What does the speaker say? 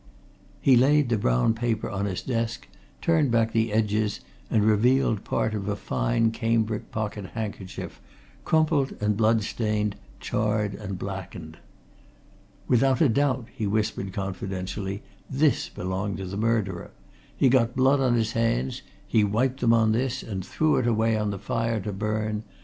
He laid the brown paper on his desk, turned back the edges, and revealed part of a fine cambric pocket handkerchief, crumpled and blood stained, charred and blackened. "Without a doubt," he whispered confidentially, "this belonged to the murderer! He got blood on his hands he wiped them on this, and threw it away on the fire, to burn.